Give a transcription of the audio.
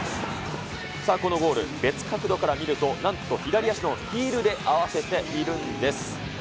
さあ、このゴール、別角度から見ると、なんと左足のヒールで合わせているんです。